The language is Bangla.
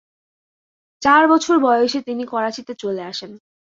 চার বছর বয়সে তিনি করাচিতে চলে আসেন।